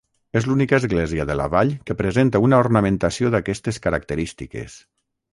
És l'única església de la vall que presenta una ornamentació d'aquestes característiques.